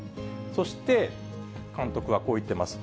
そして、監督はこう言ってます。